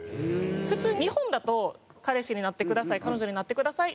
普通日本だと「彼氏になってください」